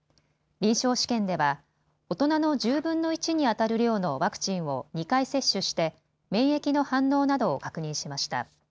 臨床試験では大人の１０分の１にあたる量のワクチンを２回接種して免疫の反応などを確認しました。